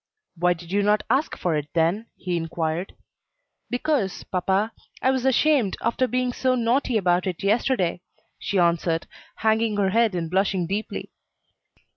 "Why did you not ask for it, then?" he inquired. "Because, papa, I was ashamed, after being so naughty about it yesterday," she answered, hanging her head and blushing deeply.